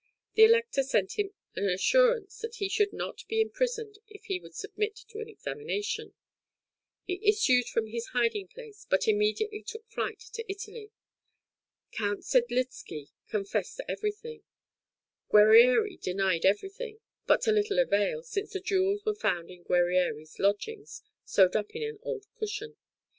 The Elector sent him an assurance that he should not be imprisoned if he would submit to an examination. He issued from his hiding place, but {MUNICH, 1775.} (151) immediately took flight to Italy. Count Sedlizky confessed everything; Guerrieri denied everything, but to little avail, since the jewels were found in Guerrieri's lodgings, sewed up in an old cushion.